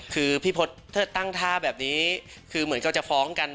คือพี่พศถ้าตั้งท่าแบบนี้คือเหมือนก็จะฟ้องกัน